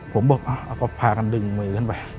ผมบอกพากันดึงมือขึ้นไป